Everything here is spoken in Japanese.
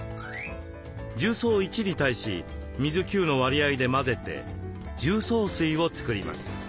重曹１に対し水９の割合で混ぜて重曹水を作ります。